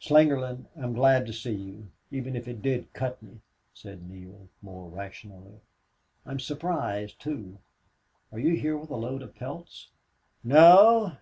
"Slingerland, I'm glad to see you, even if it did cut me," said Neale, more rationally. "I'm surprised, too. Are you here with a load of pelts?" "No.